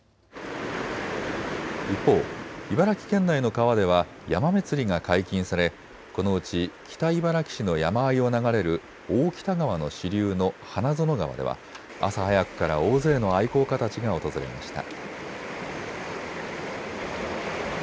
一方、茨城県内の川ではヤマメ釣りが解禁されこのうち北茨城市の山あいを流れる大北川の支流の花園川では朝早くから大勢の愛好家たちが訪れました。